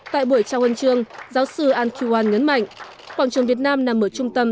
tại buổi trang huấn trường giáo sư ahn ki won nhấn mạnh quảng trường việt nam nằm ở trung tâm